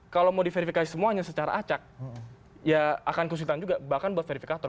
kalau mau diverifikasi semuanya secara acak ya akan kesulitan juga bahkan buat verifikator